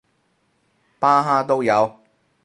巴哈都有